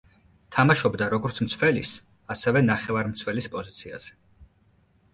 თამაშობდა როგორც მცველის, ასევე, ნახევარმცველის პოზიციაზე.